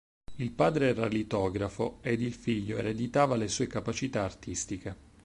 Il padre era litografo ed il figlio ereditava le sue capacità artistiche.